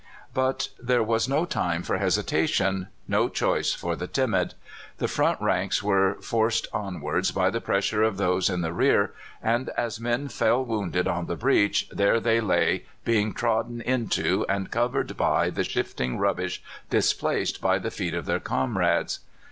But there was no time for hesitation, no choice for the timid. The front ranks were forced onwards by the pressure of those in the rear, and as men fell wounded on the breach, there they lay, being trodden into and covered by the shifting rubbish displaced by the feet of their comrades.